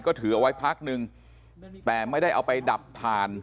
ก็ถือเอาไว้พักนึงแต่ไม่ได้เอาไปดับถ่าน